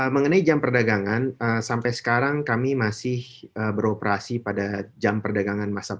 mengenai jam perdagangan sampai sekarang kami masih beroperasi pada jam perdagangan masyarakat